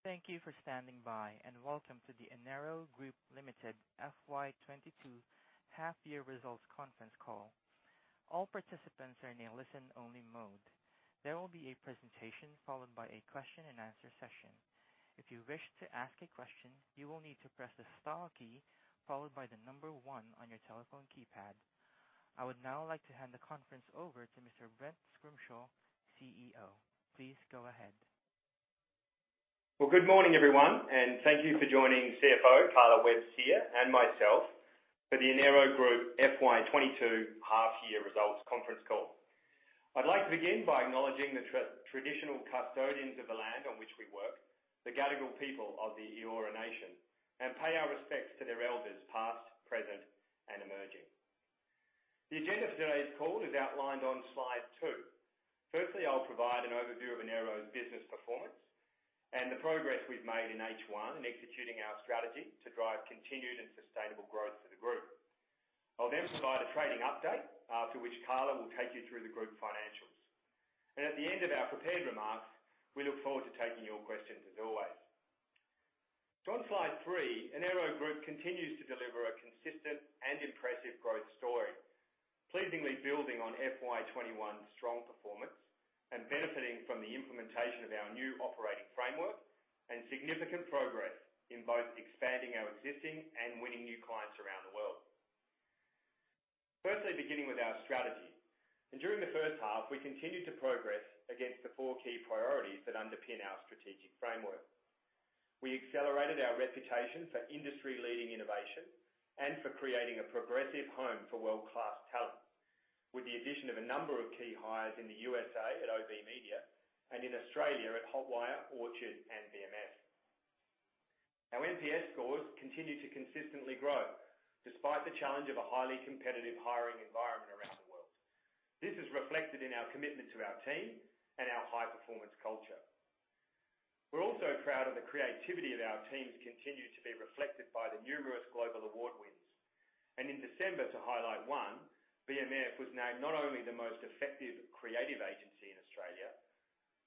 Thank you for standing by, and welcome to the Enero Group Limited FY 2022 half year results conference call. All participants are in a listen-only mode. There will be a presentation followed by a question and answer session. If you wish to ask a question, you will need to press the star key followed by the number one on your telephone keypad. I would now like to hand the conference over to Mr. Brent Scrimshaw, CEO. Please go ahead. Well, good morning everyone, and thank you for joining CFO Carla Webb-Sear and myself for the Enero Group FY 2022 half year results conference call. I'd like to begin by acknowledging the traditional custodians of the land on which we work, the Gadigal people of the Eora Nation, and pay our respects to their elders past, present, and emerging. The agenda for today's call is outlined on slide two. Firstly, I'll provide an overview of Enero's business performance and the progress we've made in H1 in executing our strategy to drive continued and sustainable growth for the group. I'll then provide a trading update, to which Carla will take you through the group financials. At the end of our prepared remarks, we look forward to taking your questions as always. On slide three, Enero Group continues to deliver a consistent and impressive growth story, pleasingly building on FY 2021 strong performance and benefiting from the implementation of our new operating framework and significant progress in both expanding our existing and winning new clients around the world. Firstly, beginning with our strategy. During the first half, we continued to progress against the four key priorities that underpin our strategic framework. We accelerated our reputation for industry-leading innovation and for creating a progressive home for world-class talent. With the addition of a number of key hires in the U.S. at OBMedia and in Australia at Hotwire, Orchard and BMF. Our NPS scores continue to consistently grow despite the challenge of a highly competitive hiring environment around the world. This is reflected in our commitment to our team and our high-performance culture. We're also proud of the creativity of our teams continue to be reflected by the numerous global award wins. In December, to highlight one, BMF was named not only the most effective creative agency in Australia,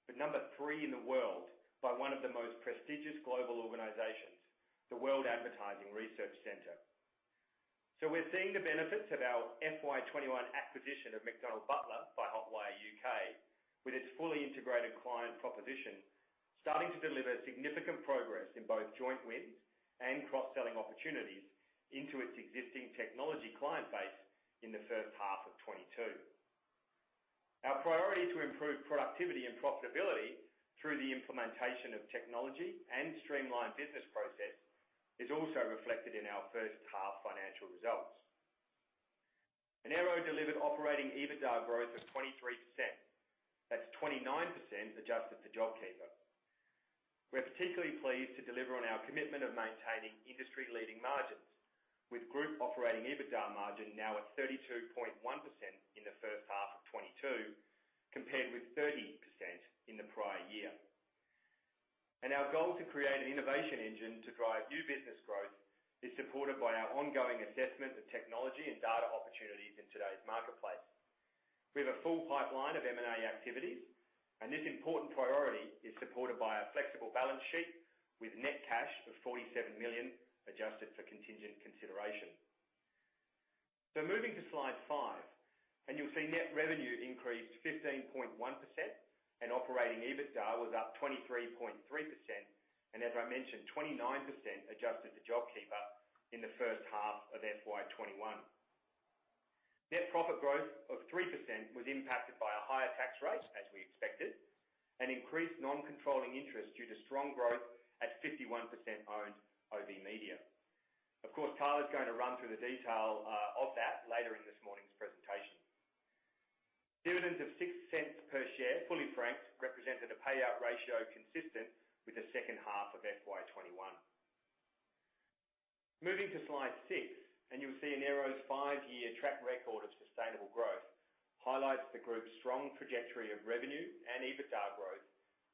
but number three in the world by one of the most prestigious global organizations, the World Advertising Research Centre. We're seeing the benefits of our FY 2021 acquisition of McDonald Butler by Hotwire U.K., with its fully integrated client proposition, starting to deliver significant progress in both joint wins and cross-selling opportunities into its existing technology client base in the first half of 2022. Our priority to improve productivity and profitability through the implementation of technology and streamlined business process is also reflected in our first half financial results. Enero delivered operating EBITDA growth of 23%. That's 29% adjusted to JobKeeper. We're particularly pleased to deliver on our commitment of maintaining industry-leading margins, with group operating EBITDA margin now at 32.1% in the first half of 2022, compared with 30% in the prior year. Our goal to create an innovation engine to drive new business growth is supported by our ongoing assessment of technology and data opportunities in today's marketplace. We have a full pipeline of M&A activities, and this important priority is supported by our flexible balance sheet with net cash of 47 million adjusted for contingent consideration. Moving to slide five, and you'll see net revenue increased 15.1% and operating EBITDA was up 23.3% and as I mentioned, 29% adjusted to JobKeeper in the first half of FY 2021. Net profit growth of 3% was impacted by a higher tax rate, as we expected, and increased non-controlling interest due to strong growth at 51% owned OBMedia. Of course, Tyler's gonna run through the detail of that later in this morning's presentation. Dividends of 0.06 per share, fully franked, represented a payout ratio consistent with the second half of FY 2021. Moving to slide six, and you'll see Enero's five year track record of sustainable growth highlights the group's strong trajectory of revenue and EBITDA growth,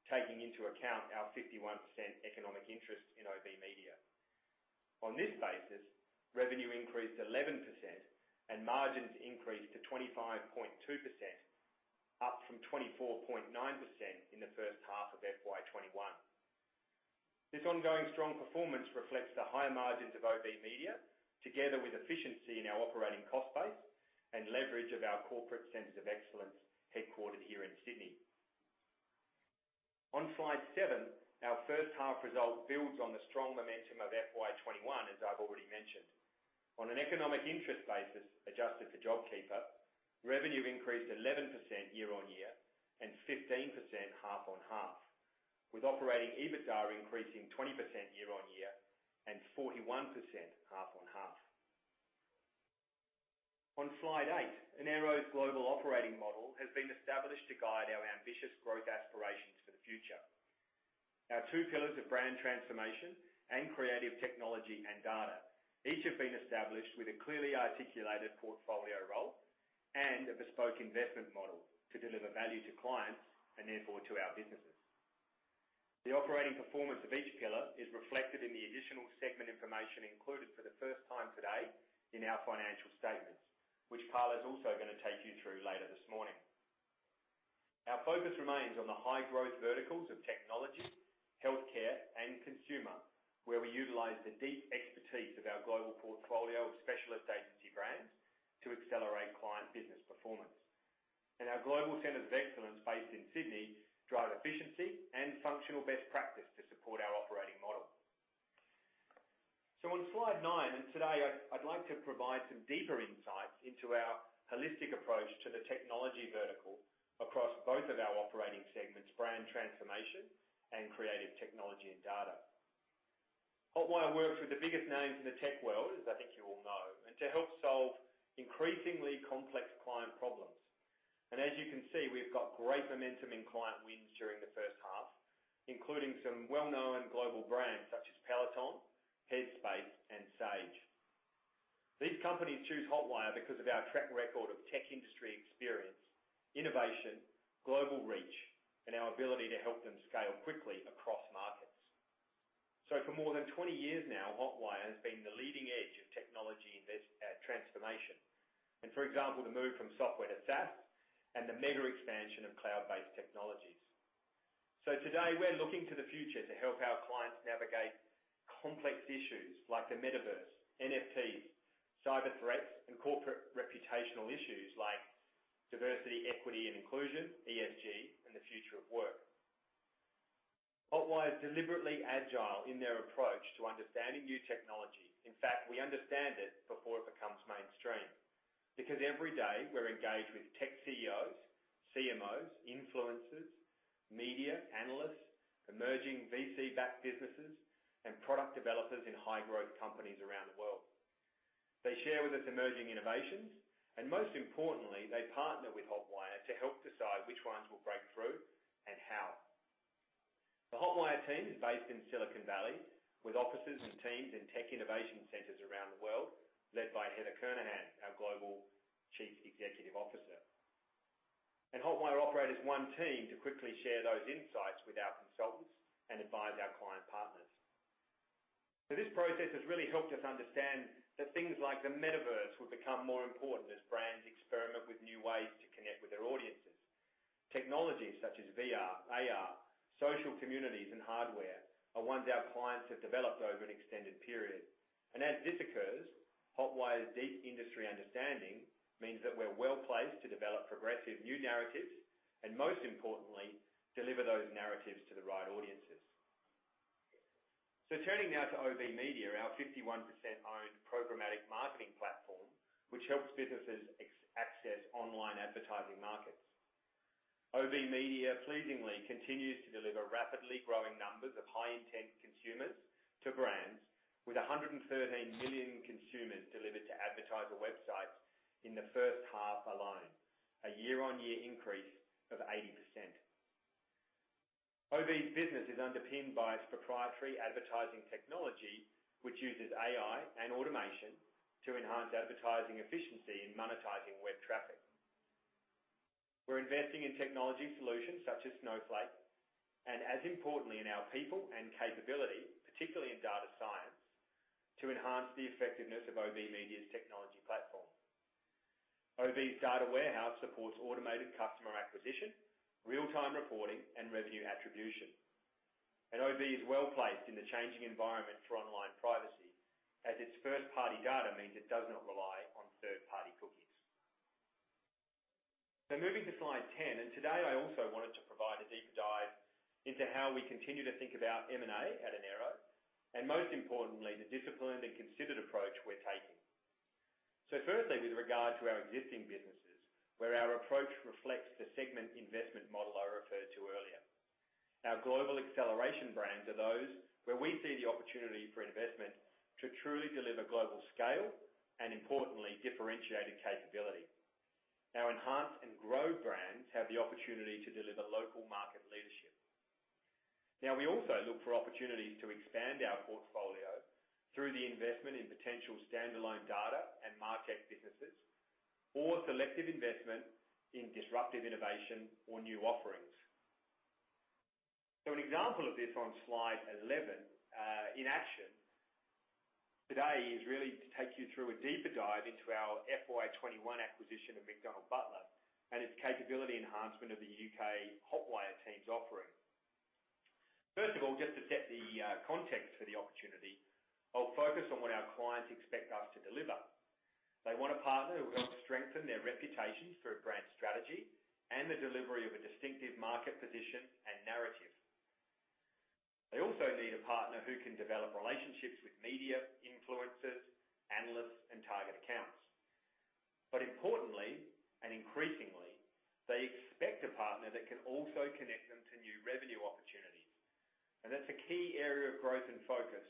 taking into account our 51% economic interest in OBMedia. On this basis, revenue increased 11% and margins increased to 25.2%, up from 24.9% in the first half of FY 2021. This ongoing strong performance reflects the higher margins of OBMedia, together with efficiency in our operating cost base and leverage of our corporate centers of excellence headquartered here in Sydney. On slide seven, our first half result builds on the strong momentum of FY 2021, as I've already mentioned. On an economic interest basis, adjusted to JobKeeper, revenue increased 11% year-on-year and 15% half-on-half, with operating EBITDA increasing 20% year-on-year and 41% half-on-half. On slide eight, Enero's global operating model has been established to guide our ambitious growth aspirations for the future. Our two pillars of Brand Transformation and Creative Technology and Data, each have been established with a clearly articulated portfolio role and a bespoke investment model to deliver value to clients and therefore to our businesses. The operating performance of each pillar is reflected in the additional segment information included for the first time today in our financial statements, which Carla's also gonna take you through later this morning. Our focus remains on the high growth verticals of technology, healthcare, and consumer, where we utilize the deep expertise of our global portfolio of specialist agency brands to accelerate client business performance. Our global centers of excellence based in Sydney drive efficiency and functional best practice to support our operating model. On slide nine, today I'd like to provide some deeper insight into our holistic approach to the technology vertical across both of our operating segments, Brand Transformation and Creative Technology and Data. Hotwire works with the biggest names in the tech world, as I think you all know, and to help solve increasingly complex client problems. As you can see, we've got great momentum in client wins during the first half, including some well-known global brands such as Peloton, Headspace, and Sage. These companies choose Hotwire because of our track record of tech industry experience, innovation, global reach, and our ability to help them scale quickly across markets. For more than 20 years now, Hotwire has been the leading edge of technology transformation. For example, the move from software to SaaS and the mega expansion of cloud-based technologies. Today, we're looking to the future to help our clients navigate complex issues like the Metaverse, NFTs, cyber threats, and corporate reputational issues like diversity, equity, and inclusion, ESG, and the future of work. Hotwire is deliberately agile in their approach to understanding new technology. In fact, we understand it before it becomes mainstream. Because every day, we're engaged with tech CEOs, CMOs, influencers, media, analysts, emerging VC-backed businesses, and product developers in high-growth companies around the world. They share with us emerging innovations, and most importantly, they partner with Hotwire to help decide which ones will break through and how. The Hotwire team is based in Silicon Valley, with offices and teams in tech innovation centers around the world, led by Heather Kernahan, our Global Chief Executive Officer. Hotwire operate as one team to quickly share those insights with our consultants and advise our client partners. This process has really helped us understand that things like the Metaverse will become more important as brands experiment with new ways to connect with their audiences. Technologies such as VR, AR, social communities, and hardware are ones our clients have developed over an extended period. As this occurs, Hotwire's deep industry understanding means that we're well-placed to develop progressive new narratives, and most importantly, deliver those narratives to the right audiences. Turning now to OBMedia, our 51% owned programmatic marketing platform, which helps businesses access online advertising markets. OBMedia pleasingly continues to deliver rapidly growing numbers of high-intent consumers to brands with 113 million consumers delivered to advertiser websites in the first half alone, a year-on-year increase of 80%. OBMedia's business is underpinned by its proprietary advertising technology, which uses AI and automation to enhance advertising efficiency in monetizing web traffic. We're investing in technology solutions such as Snowflake, and as importantly in our people and capability, particularly in data science, to enhance the effectiveness of OBMedia's technology platform. OBMedia's data warehouse supports automated customer acquisition, real-time reporting, and revenue attribution. OB is well-placed in the changing environment for online privacy, as its first-party data means it does not rely on third-party cookies. Moving to slide 10, and today I also wanted to provide a deeper dive into how we continue to think about M&A at Enero, and most importantly, the disciplined and considered approach we're taking. Firstly, with regard to our existing businesses, where our approach reflects the segment investment model I referred to earlier. Our global acceleration brands are those where we see the opportunity for investment to truly deliver global scale, and importantly, differentiated capability. Our enhanced and growth brands have the opportunity to deliver local market leadership. Now, we also look for opportunities to expand our portfolio through the investment in potential standalone data and market businesses or selective investment in disruptive innovation or new offerings. An example of this on slide 11 in action today is really to take you through a deeper dive into our FY 2021 acquisition of McDonald Butler and its capability enhancement of the U.K. Hotwire team's offering. First of all, just to set the context for the opportunity, I'll focus on what our clients expect us to deliver. They want a partner who will strengthen their reputations through a brand strategy and the delivery of a distinctive market position and narrative. They also need a partner who can develop relationships with media, influencers, analysts, and target accounts. Importantly, and increasingly, they expect a partner that can also connect them to new revenue opportunities. That's a key area of growth and focus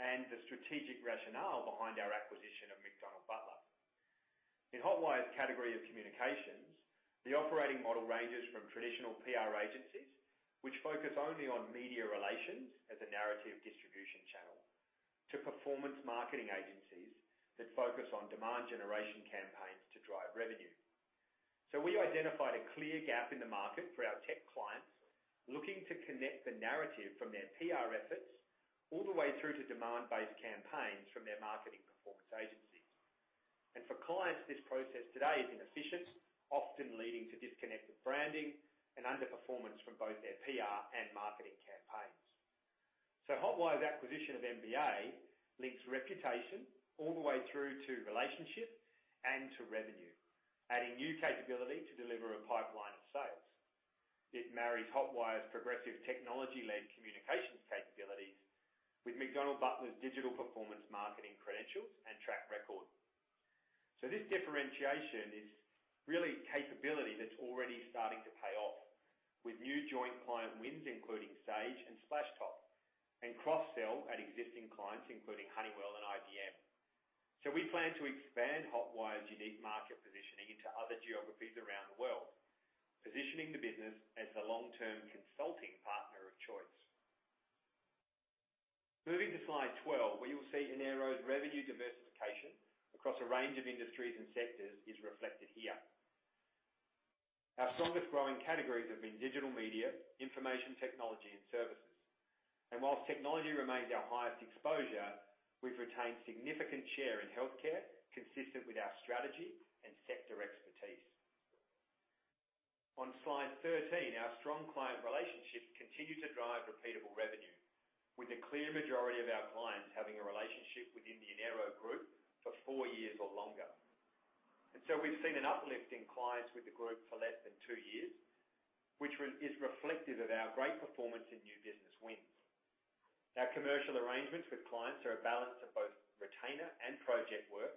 and the strategic rationale behind our acquisition of McDonald Butler. In Hotwire's category of communications, the operating model ranges from traditional PR agencies, which focus only on media relations as a narrative distribution channel, to performance marketing agencies that focus on demand generation campaigns to drive revenue. We identified a clear gap in the market for our tech clients looking to connect the narrative from their PR efforts all the way through to demand-based campaigns from their marketing performance agencies. For clients, this process today is inefficient, often leading to disconnected branding and underperformance from both their PR and marketing campaigns. Hotwire's acquisition of MBA links reputation all the way through to relationship and to revenue, adding new capability to deliver a pipeline of sales. It marries Hotwire's progressive technology-led communications capabilities with McDonald Butler's digital performance marketing credentials and track record. This differentiation is really capability that's already starting to pay off with new joint client wins, including Sage and Splashtop, and cross-sell at existing clients, including Honeywell and IBM. We plan to expand Hotwire's unique market positioning into other geographies around the world, positioning the business as the long-term consulting partner of choice. Moving to slide 12, where you'll see Enero's revenue diversification across a range of industries and sectors is reflected here. Our strongest growing categories have been digital media, information technology and services. While technology remains our highest exposure, we've retained significant share in healthcare consistent with our strategy and sector expertise. On slide 13, our strong client relationships continue to drive repeatable revenue with a clear majority of our clients having a relationship within the Enero Group for four years or longer. We've seen an uplift in clients with the group for less than two years, which is reflective of our great performance in new business wins. Our commercial arrangements with clients are a balance to both retainer and project work,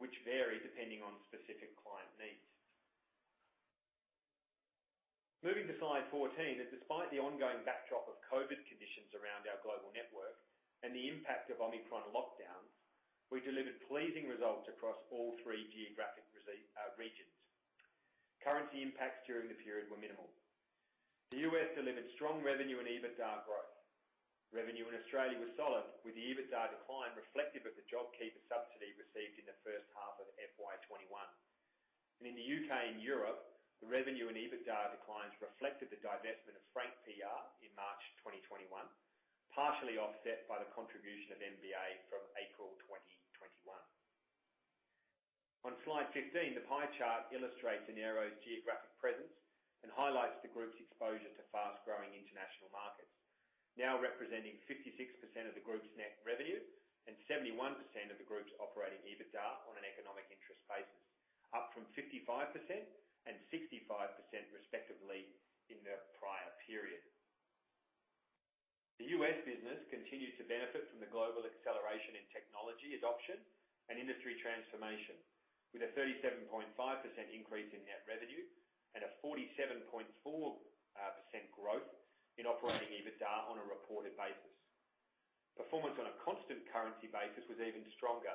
which vary depending on specific client needs. Moving to slide 14, despite the ongoing backdrop of COVID conditions around our global network and the impact of Omicron lockdowns, we delivered pleasing results across all three geographic regions. Currency impacts during the period were minimal. The U.S. delivered strong revenue and EBITDA growth. Revenue in Australia was solid, with the EBITDA decline reflective of the JobKeeper subsidy received in the first half of FY 2021. In the U.K. and Europe, the revenue and EBITDA declines reflected the divestment of Frank PR in March 2021, partially offset by the contribution of MBA from April 2021. On slide 15, the pie chart illustrates Enero's geographic presence and highlights the group's exposure to fast-growing international markets, now representing 56% of the group's net revenue and 71% of the group's operating EBITDA on an economic interest basis, up from 55% and 65% respectively in the prior period. The U.S. business continued to benefit from the global acceleration in technology adoption and industry transformation, with a 37.5% increase in net revenue and a 47.4% growth in operating EBITDA on a reported basis. Performance on a constant currency basis was even stronger,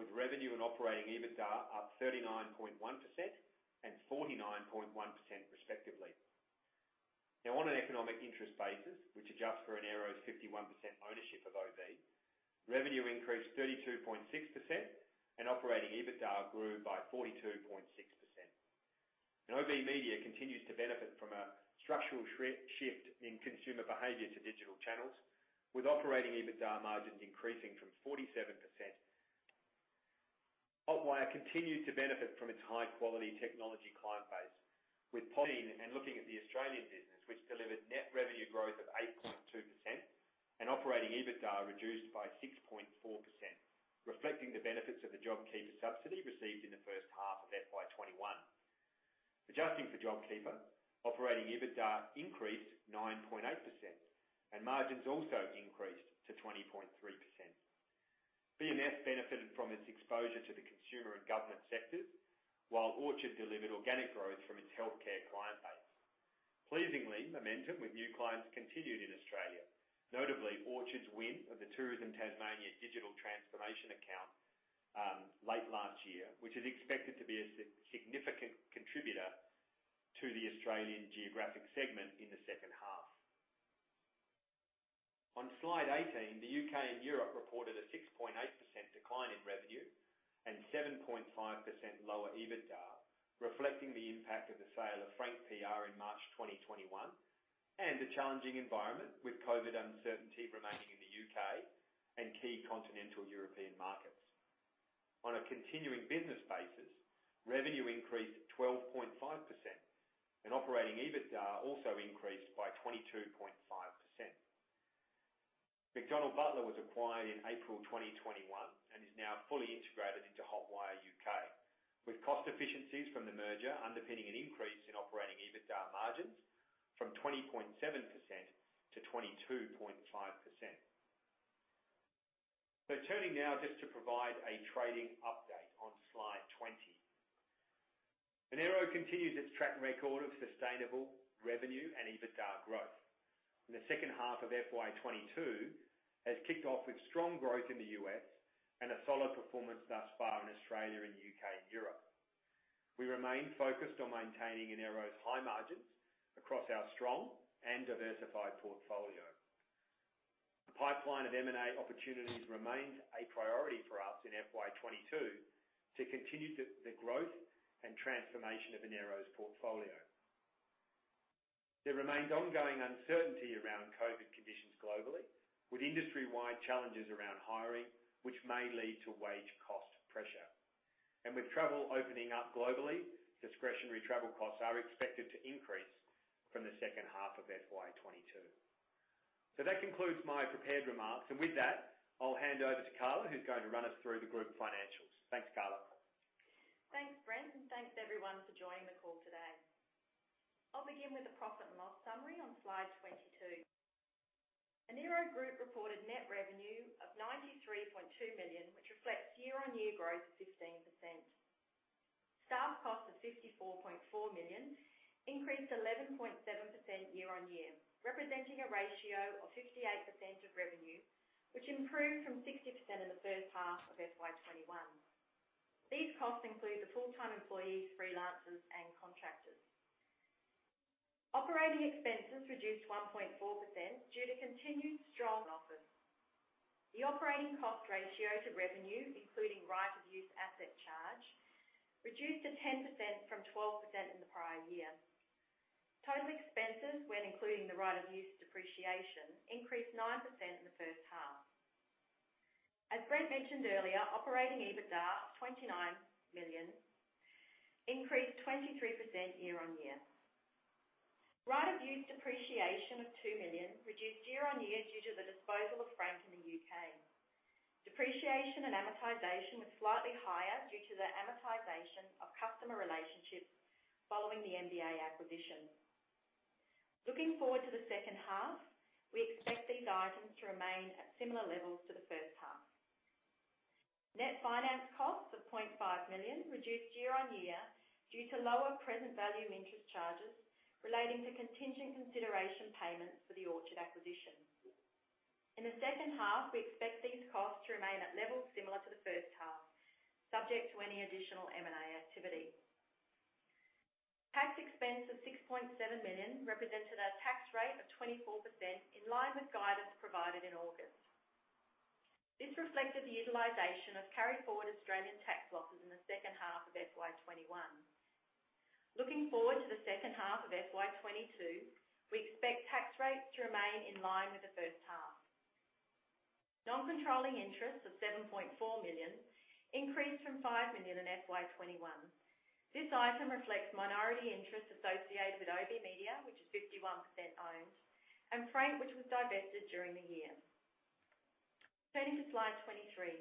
with revenue and operating EBITDA up 39.1% and 49.1% respectively. Now, on an economic interest basis, which adjusts for Enero's 51% ownership of OB, revenue increased 32.6% and operating EBITDA grew by 42.6%. OB Media continues to benefit from a structural shift in consumer behavior to digital channels with operating EBITDA margins increasing from 47%. Hotwire continued to benefit from its high-quality technology client base and looking at the Australian business, which delivered net revenue growth of 8.2% and operating EBITDA reduced by 6.4%, reflecting the benefits of the JobKeeper subsidy received in the first half of FY 2021. Adjusting for JobKeeper, operating EBITDA increased 9.8% and margins also increased to 20.3%. BMF benefited from its exposure to the consumer and government sectors, while Orchard delivered organic growth from its healthcare client base. Pleasingly, momentum with new clients continued in Australia, notably Orchard's win of the Tourism Tasmania digital transformation account late last year, which is expected to be a significant contributor to the Australian geographic segment in the second half. On slide 18, the U.K. and Europe reported a 6.8% decline in revenue and 7.5% lower EBITDA, reflecting the impact of the sale of Frank PR in March 2021 and the challenging environment with COVID uncertainty remaining in the U.K. and key continental European markets. On a continuing business basis, revenue increased 12.5% and operating EBITDA also increased by 22.5%. McDonald Butler was acquired in April 2021 and is now fully integrated into Hotwire U.K., with cost efficiencies from the merger underpinning an increase in operating EBITDA margins from 20.7% to 22.5%. Turning now just to provide a trading update on slide 20. Enero continues its track record of sustainable revenue and EBITDA growth, and the second half of FY 2022 has kicked off with strong growth in the U.S. and a solid performance thus far in Australia and U.K. and Europe. We remain focused on maintaining Enero's high margins across our strong and diversified portfolio. The pipeline of M&A opportunities remains a priority for us in FY 2022 to continue the growth and transformation of Enero's portfolio. There remains ongoing uncertainty around COVID conditions globally, with industry-wide challenges around hiring, which may lead to wage cost pressure. With travel opening up globally, discretionary travel costs are expected to increase from the second half of FY 2022. That concludes my prepared remarks. With that, I'll hand over to Carla, who's going to run us through the group financials. Thanks, Carla. Thanks, Brent, and thanks everyone for joining the call today. I'll begin with the profit and loss summary on slide 22. Enero Group reported net revenue of 93.2 million, which reflects year-on-year growth of 15%. Staff costs of 54.4 million increased 11.7% year-on-year, representing a ratio of 58% of revenue, which improved from 60% in the first half of FY 2021. These costs include the full-time employees, freelancers, and contractors. Operating expenses reduced 1.4% due to continued strong efforts. The operating cost ratio to revenue, including right-of-use asset charge, reduced to 10% from 12% in the prior year. Total expenses when including the right-of-use depreciation increased 9% in the first half. As Brent mentioned earlier, operating EBITDA of 29 million increased 23% year-on-year. Right-of-use depreciation of 2 million reduced year-on-year due to the disposal of Frank in the U.K. Depreciation and amortization was slightly higher due to the amortization of customer relationships following the MBA acquisition. Looking forward to the second half, we expect these items to remain at similar levels to the first half. Net finance costs of 0.5 million reduced year-on-year due to lower present value interest charges relating to contingent consideration payments for the Orchard acquisition. In the second half, we expect these costs to remain at levels similar to the first half, subject to any additional M&A activity. Tax expense of 6.7 million represented a tax rate of 24% in line with guidance provided in August. This reflected the utilization of carry forward Australian tax losses in the second half of FY 2021. Looking forward to the second half of FY 2022, we expect tax rates to remain in line with the first half. Non-controlling interests of 7.4 million increased from 5 million in FY 2021. This item reflects minority interest associated with OB Media, which is 51% owned, and Frank, which was divested during the year. Turning to slide 23.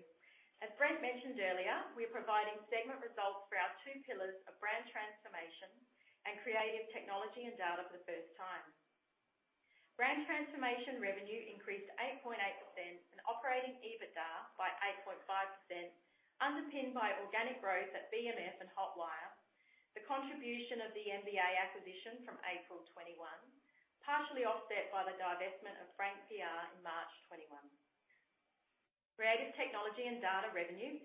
As Brent mentioned earlier, we're providing segment results for our two pillars of Brand Transformation and Creative Technology and Data for the first time. Brand Transformation revenue increased 8.8% and operating EBITDA by 8.5%, underpinned by organic growth at BMF and Hotwire, the contribution of the MBA acquisition from April 2021, partially offset by the divestment of Frank PR in March 2021. Creative Technology and Data revenue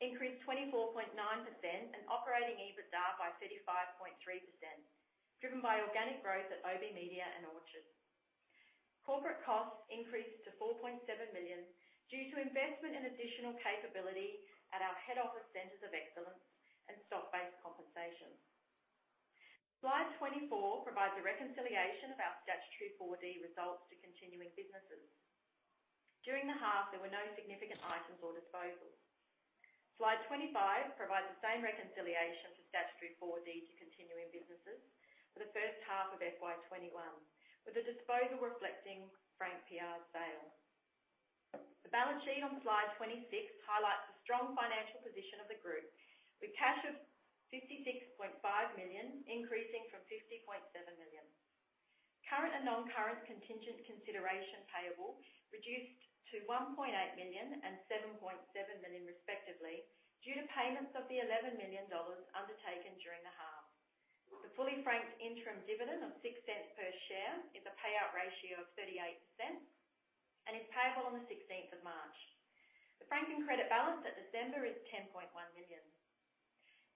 increased 24.9% and operating EBITDA by 35.3%, driven by organic growth at OBMedia and Orchard. Corporate costs increased to 4.7 million due to investment in additional capability at our head office centers of excellence and stock-based compensation. Slide 24 provides a reconciliation of our statutory 4D results to continuing businesses. During the half, there were no significant items or disposals. Slide 25 provides the same reconciliation for statutory 4D to continuing businesses for the first half of FY 2021, with the disposal reflecting Frank PR's sale. The balance sheet on slide 26 highlights the strong financial position of the group with cash of 56.5 million increasing from 50.7 million. Current and non-current contingent consideration payable reduced to 1.8 million and 7.7 million respectively due to payments of the 11 million dollars undertaken during the half. The fully franked interim dividend of 0.06 per share is a payout ratio of 38% and is payable on March 16th. The franking credit balance at December is 10.1 million.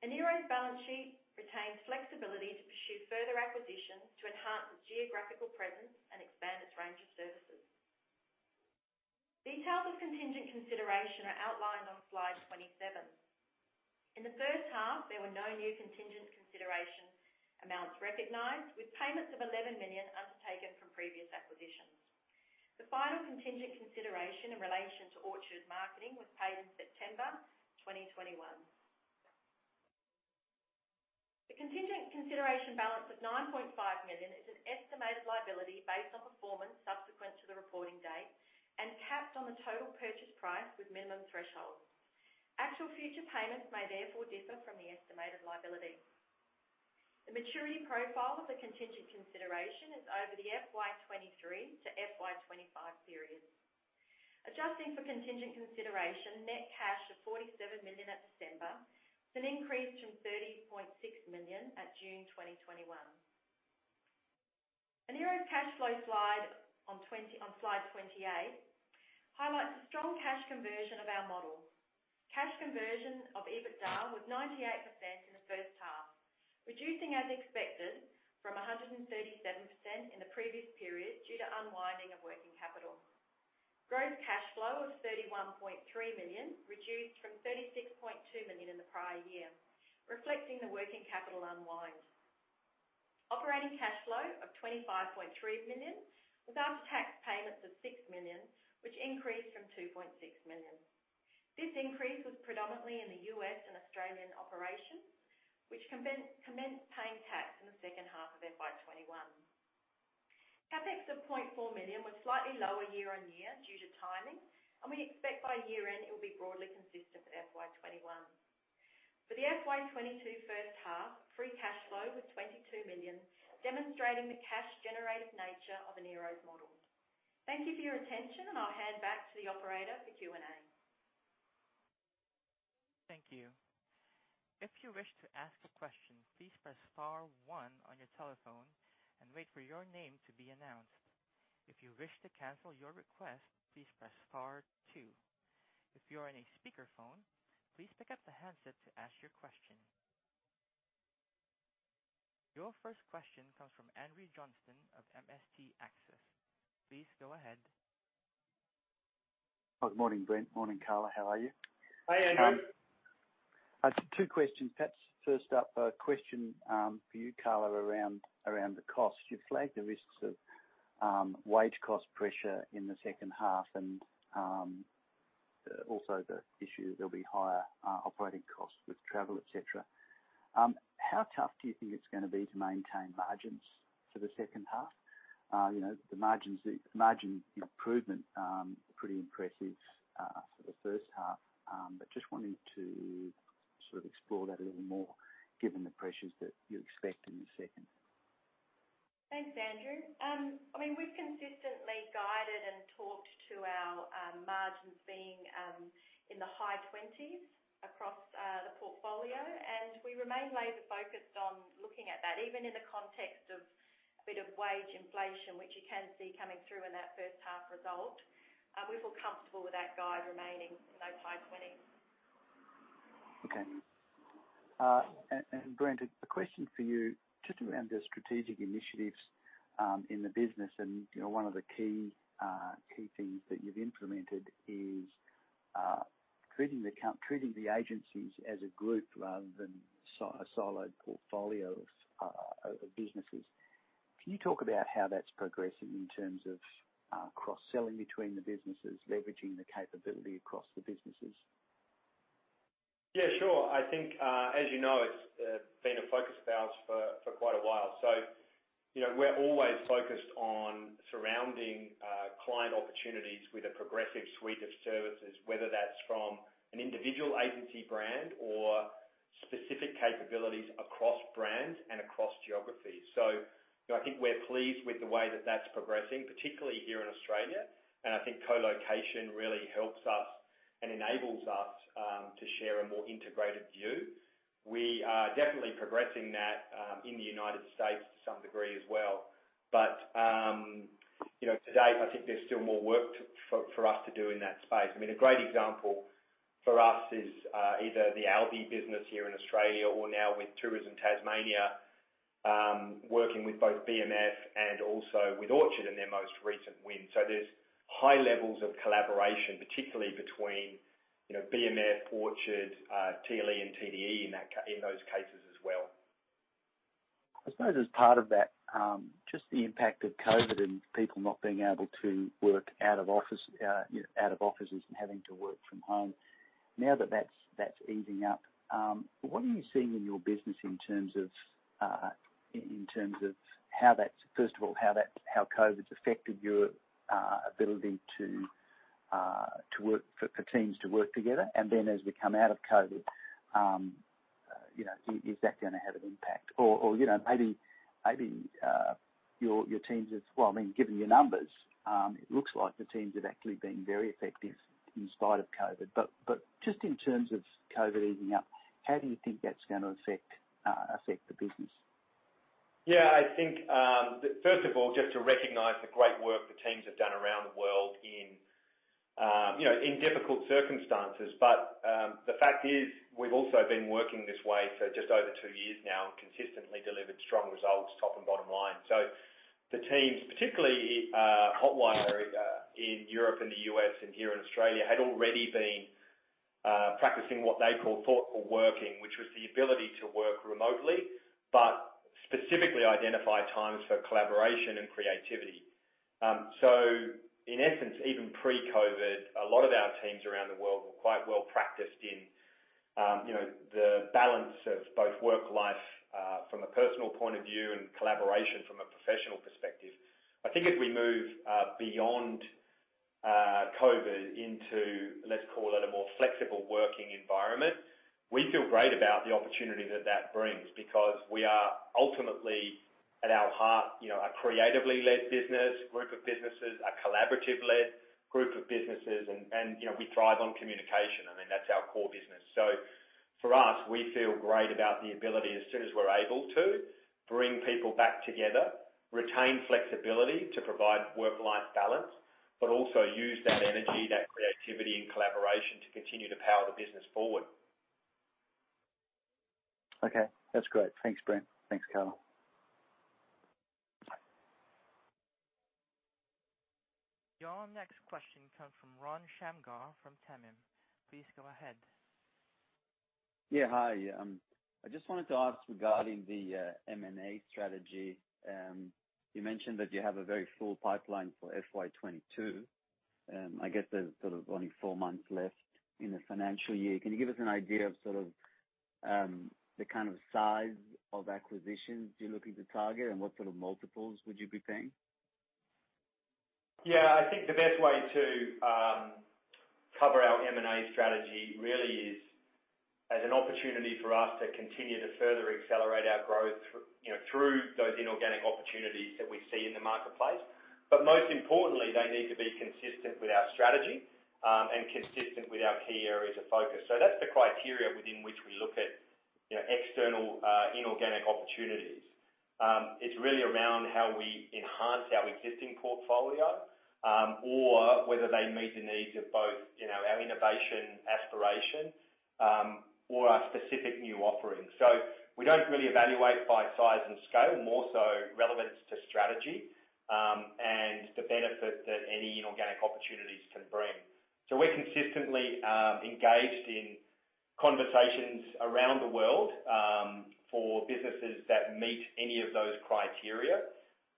Enero's balance sheet retains flexibility to pursue further acquisitions to enhance its geographical presence and expand its range of services. Details of contingent consideration are outlined on slide 27. In the first half, there were no new contingent consideration amounts recognized, with payments of 11 million undertaken from previous acquisitions. The final contingent consideration in relation to Orchard Marketing was paid in September 2021. The contingent consideration balance of 9.5 million is an estimated liability based on performance subsequent to the reporting date and capped on the total purchase price with minimum thresholds. Actual future payments may therefore differ from the estimated liability. The maturity profile of the contingent consideration is over the FY 2023 to FY 2025 period. Adjusting for contingent consideration, net cash of 47 million at December is an increase from 30.6 million at June 2021. Enero's cash flow slide on slide 28 highlights the strong cash conversion of our model. Cash conversion of EBITDA was 98% in the first half, reducing as expected from 137% in the previous period due to unwinding of working capital. Gross cash flow of 31.3 million, reduced from 36.2 million in the prior year, reflecting the working capital unwind. Operating cash flow of 25.3 million, with after-tax payments of 6 million, which increased from 2.6 million. This increase was predominantly in the U.S. and Australian operations, which commenced paying tax in the second half of FY 2021. CapEx of 0.4 million was slightly lower year-on-year due to timing, and we expect by year-end it will be broadly consistent with FY 2021. For the FY 2022 first half, free cash flow was 22 million, demonstrating the cash generative nature of Enero's model. Thank you for your attention, and I'll hand back to the operator for Q&A. Thank you. If you wish to ask a question, please press star one on your telephone and wait for your name to be announced. If you wish to cancel your request, please press star two. If you are in a speakerphone, please pick up the handset to ask your question. Your first question comes from Andrew Johnston of MST Access. Please go ahead. Good morning, Brent. Morning, Carla. How are you? Hi, Andrew. Two questions. Perhaps first up, a question for you, Carla, around the cost. You flagged the risks of wage cost pressure in the second half and also the issue that there'll be higher operating costs with travel, et cetera. How tough do you think it's gonna be to maintain margins for the second half? You know, the margins, the margin improvement pretty impressive for the first half, but just wanting to sort of explore that a little more given the pressures that you expect in the second half. Thanks, Andrew. I mean, we've consistently guided and talked to our margins being in the high 20s across the portfolio, and we remain laser focused on looking at that. Even in the context of a bit of wage inflation, which you can see coming through in our first half result, we feel comfortable with that guide remaining in those high 20s. Okay. Brent, a question for you, just around the strategic initiatives in the business. You know, one of the key things that you've implemented is treating the agencies as a group rather than a siloed portfolio of businesses. Can you talk about how that's progressing in terms of cross-selling between the businesses, leveraging the capability across the businesses? Yeah, sure. I think, as you know, it's been a focus of ours for quite a while. You know, we're always focused on surrounding client opportunities with a progressive suite of services, whether that's from an individual agency brand or specific capabilities across brands and across geographies. You know, I think we're pleased with the way that that's progressing, particularly here in Australia, and I think co-location really helps us and enables us to share a more integrated view. We are definitely progressing that in the United States to some degree as well. You know, to date, I think there's still more work for us to do in that space. I mean, a great example for us is either the OB business here in Australia or now with Tourism Tasmania, working with both BMF and also with Orchard in their most recent win. There's high levels of collaboration, particularly between, you know, BMF, Orchard, TLE and TDE in those cases as well. I suppose as part of that, just the impact of COVID and people not being able to work out of office, you know, out of offices and having to work from home. Now that that's easing up, what are you seeing in your business in terms of how COVID's affected your ability to work for teams to work together? As we come out of COVID, you know, is that gonna have an impact? Well, I mean, given your numbers, it looks like the teams have actually been very effective in spite of COVID. Just in terms of COVID easing up, how do you think that's gonna affect the business? Yeah, I think, first of all, just to recognize the great work the teams have done around the world in, you know, in difficult circumstances. The fact is, we've also been working this way for just over two years now and consistently delivered strong results, top and bottom line. The teams, particularly, Hotwire, in Europe and the U.S. and here in Australia, had already been, practicing what they call thoughtful working, which was the ability to work remotely but specifically identify times for collaboration and creativity. In essence, even pre-COVID, a lot of our teams around the world were quite well-practiced in, you know, the balance of both work/life, from a personal point of view and collaboration from a professional perspective. I think as we move beyond COVID into, let's call it a more flexible working environment, we feel great about the opportunity that that brings because we are ultimately at our heart, you know, a creatively led business, group of businesses, a collaborative led group of businesses and, you know, we thrive on communication. I mean, that's our core business. For us, we feel great about the ability as soon as we're able to bring people back together, retain flexibility to provide work-life balance, but also use that energy, that creativity and collaboration to continue to power the business forward. Okay, that's great. Thanks, Brent. Thanks, Carla. Your next question comes from Ron Shamgar from TAMIM. Please go ahead. Yeah. Hi. I just wanted to ask regarding the M&A strategy. You mentioned that you have a very full pipeline for FY 2022, and I guess there's sort of only four months left in the financial year. Can you give us an idea of sort of the kind of size of acquisitions you're looking to target and what sort of multiples would you be paying? Yeah. I think the best way to cover our M&A strategy really is as an opportunity for us to continue to further accelerate our growth you know, through those inorganic opportunities that we see in the marketplace. Most importantly, they need to be consistent with our strategy and consistent with our key areas of focus. That's the criteria within which we look at you know, external inorganic opportunities. It's really around how we enhance our existing portfolio or whether they meet the needs of both you know, our innovation aspiration or our specific new offerings. We don't really evaluate by size and scale, more so relevance to strategy and the benefit that any inorganic opportunities can bring. We're consistently engaged in conversations around the world for businesses that meet any of those criteria.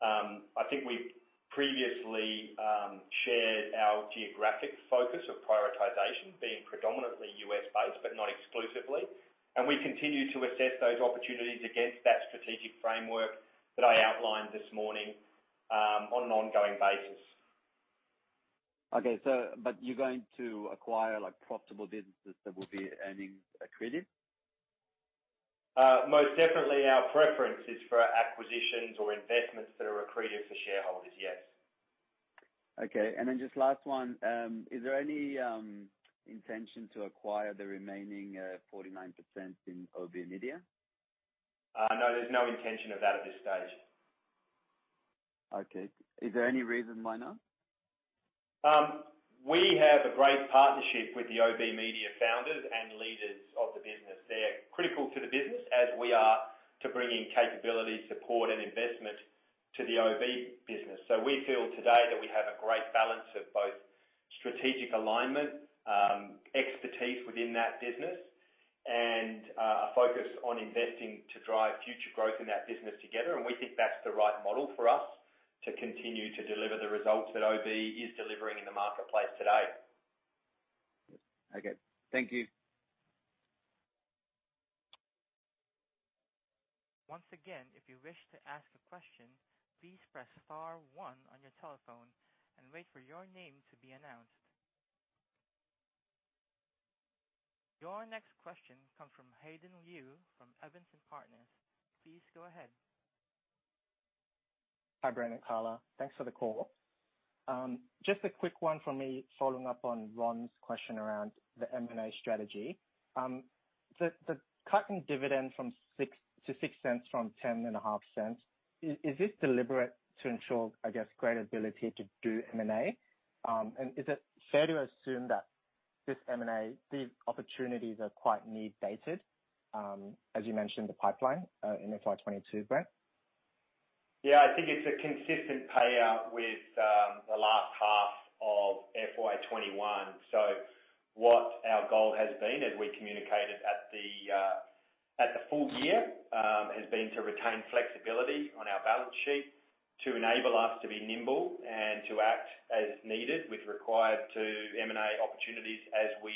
I think we've previously shared our geographic focus of prioritization being predominantly U.S.-based, but not exclusively. We continue to assess those opportunities against that strategic framework that I outlined this morning on an ongoing basis. Okay. You're going to acquire like profitable businesses that will be earnings accretive? Most definitely our preference is for acquisitions or investments that are accretive to shareholders, yes. Okay. Just last one. Is there any intention to acquire the remaining 49% in OBMedia? No. There's no intention of that at this stage. Okay. Is there any reason why not? We have a great partnership with the OB Media founders and leaders of the business. They're critical to the business as we are to bring in capability, support and investment to the OB business. We feel today that we have a great balance of both strategic alignment, expertise within that business and a focus on investing to drive future growth in that business together. We think that's the right model for us to continue to deliver the results that OB is delivering in the marketplace today. Okay. Thank you. Once again, if you wish to ask a question, please press star one on your telephone and wait for your name to be announced. Your next question comes from Hayden Liu from Evans & Partners. Please go ahead. Hi, Brent and Carla. Thanks for the call. Just a quick one from me following up on Ron's question around the M&A strategy. Cutting the dividend from 0.105 to 0.066, is this deliberate to ensure, I guess, greater ability to do M&A? Is it fair to assume that this M&A, these opportunities are quite near-dated, as you mentioned the pipeline in FY 2022, Brent? Yeah, I think it's a consistent payout with the last half of FY 2021. What our goal has been, as we communicated at the full year, has been to retain flexibility on our balance sheet to enable us to be nimble and to act as needed with regard to M&A opportunities as we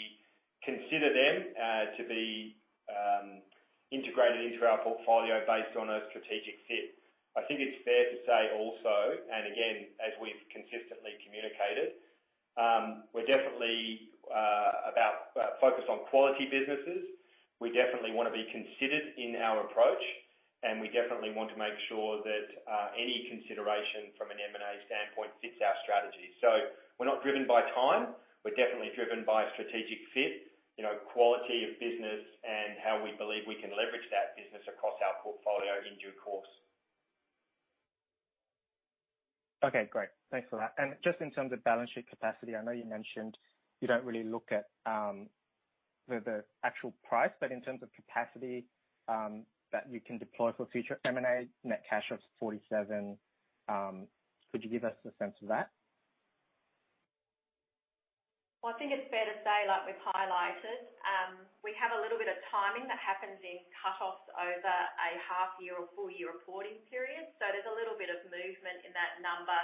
consider them to be integrated into our portfolio based on a strategic fit. I think it's fair to say also, and again, as we've consistently communicated, we're definitely focused on quality businesses. We definitely wanna be cautious in our approach, and we definitely want to make sure that any consideration from an M&A standpoint fits our strategy. We're not driven by time. We're definitely driven by strategic fit, you know, quality of business and how we believe we can leverage that business across our portfolio in due course. Okay, great. Thanks for that. Just in terms of balance sheet capacity, I know you mentioned you don't really look at the actual price, but in terms of capacity that you can deploy for future M&A, net cash of 47 million. Could you give us a sense of that? Well, I think it's fair to say, like we've highlighted, we have a little bit of timing that happens in cutoffs over a half year or full year reporting period. There's a little bit of movement in that number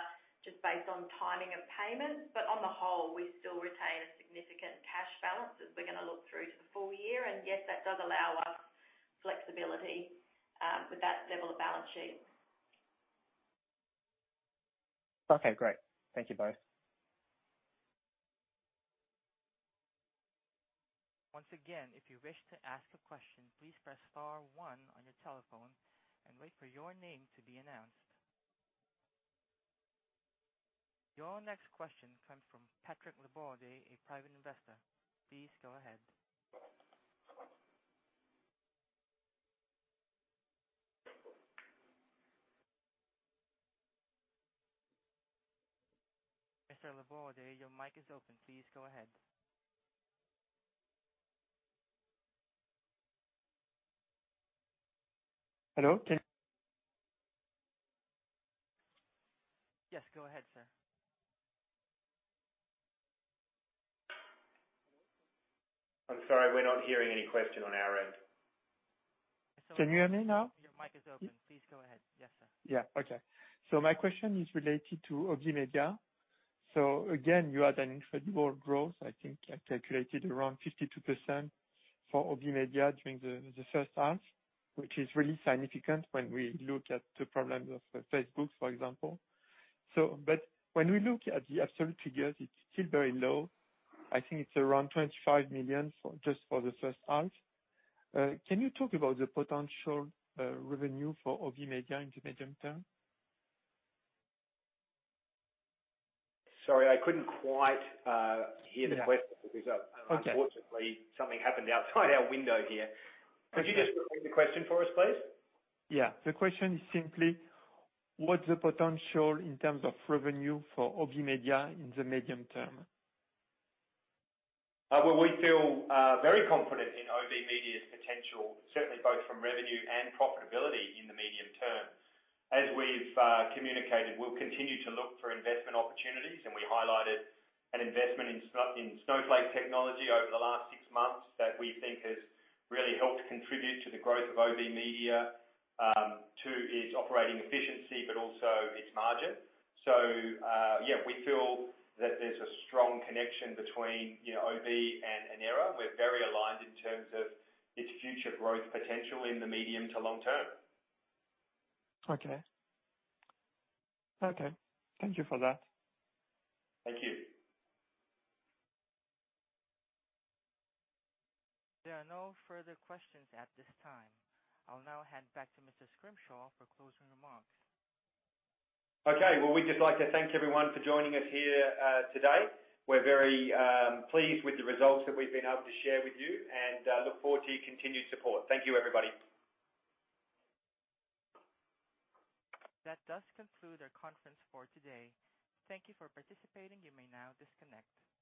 just based on timing of payments. On the whole, we still retain a significant cash balance as we're gonna look through to the full year. Yes, that does allow us flexibility, with that level of balance sheet. Okay, great. Thank you both. Once again, if you wish to ask a question, please press star one on your telephone and wait for your name to be announced. Your next question comes from Patrick Laborde, a private investor. Please go ahead. Mr. Laborde, your mic is open. Please go ahead. Hello? Yes, go ahead, sir. I'm sorry, we're not hearing any question on our end. Can you hear me now? Yes, sir. Okay. My question is related to OB Media. Again, you had an incredible growth. I think I calculated around 52% for OB Media during the first half, which is really significant when we look at the problems of Facebook, for example. But when we look at the absolute figures, it's still very low. I think it's around 25 million just for the first half. Can you talk about the potential revenue for OB Media in the medium term? Sorry, I couldn't quite hear the question. Yeah. Okay. Because unfortunately, something happened outside our window here. Okay. Could you just repeat the question for us, please? Yeah. The question is simply what's the potential in terms of revenue for OBMedia in the medium term? Well, we feel very confident in OBMedia's potential, certainly both from revenue and profitability in the medium term. As we've communicated, we'll continue to look for investment opportunities, and we highlighted an investment in Snowflake Inc. over the last six months that we think has really helped contribute to the growth of OBMedia to its operating efficiency but also its margin. We feel that there's a strong connection between, you know, OB and Enero. We're very aligned in terms of its future growth potential in the medium to long term. Okay. Thank you for that. Thank you. There are no further questions at this time. I'll now hand back to Mr. Scrimshaw for closing remarks. Okay. Well, we'd just like to thank everyone for joining us here, today. We're very pleased with the results that we've been able to share with you, and look forward to your continued support. Thank you, everybody. That does conclude our conference for today. Thank you for participating. You may now disconnect.